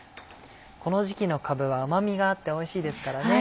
この時期のかぶは甘みがあっておいしいですからね。